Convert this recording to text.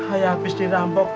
ayah habis dirambak